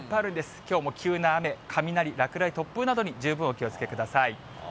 きょうも急な雨、落雷などに十分お気をつけください。